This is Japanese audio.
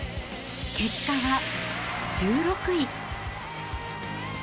結果は１６位。